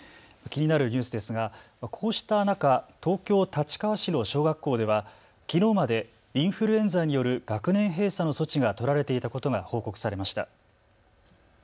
気になるニュースですがこうした中、東京立川市の小学校ではきのうまでインフルエンザによる学年閉鎖の措置が取られていたことが報告されました。